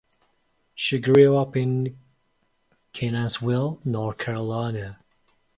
She grew up in Kenansville, North Carolina.